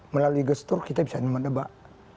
melalui gestur kita bisa mendebak